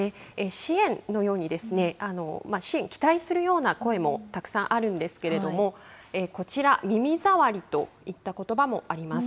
支援のように、支援、期待するような声もたくさんあるんですけれども、こちら、耳ざわりといったことばもあります。